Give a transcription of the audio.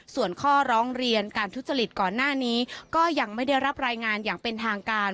ส่วนข้อร้องเรียนการทุจริตก่อนหน้านี้ก็ยังไม่ได้รับรายงานอย่างเป็นทางการ